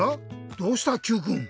どうしたＱくん。